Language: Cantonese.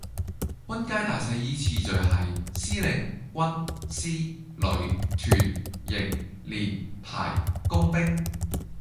軍階大細依次序係司令,軍,師,旅,團,營,連,排,工兵